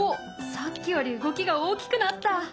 さっきより動きが大きくなった。